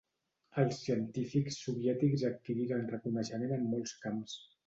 Els científics soviètics adquiriren reconeixement en molts camps.